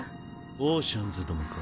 オーシャンズどもか。